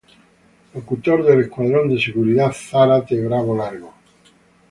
Locutor del Escuadrón de Seguridad Zárate Brazo Largo.